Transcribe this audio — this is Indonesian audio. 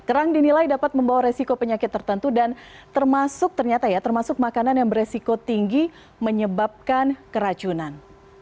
kerang dinilai dapat membawa resiko penyakit tertentu dan termasuk ternyata ya termasuk makanan yang beresiko tinggi menyebabkan keracunan